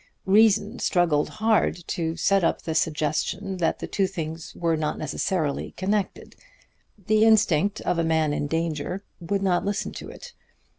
Reason struggled hard to set up the suggestion that the two things were not necessarily connected. The instinct of a man in danger would not listen to it.